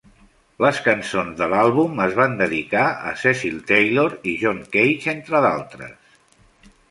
Les cançons de l'àlbum es van dedicar a Cecil Taylor i John Cage, entre d'altres.